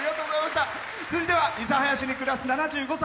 続いては諫早市に暮らす７５歳。